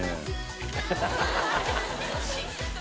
ハハハ ））